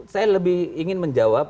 saya lebih ingin menjawab